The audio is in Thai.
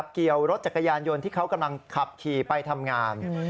ขี่รถจักรยานยนต์ที่เขากำลังขับขี่ไปทำงาน